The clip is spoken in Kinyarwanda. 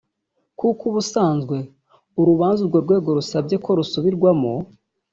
kuko ubusanzwe urubanza urwo rwego rusabye ko rusubirwamo